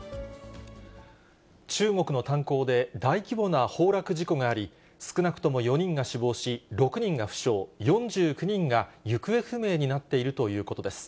中国の炭鉱で、大規模な崩落事故があり、少なくとも４人が死亡し、６人が負傷、４９人が行方不明になっているということです。